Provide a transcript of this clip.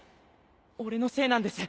俺のせいなんです。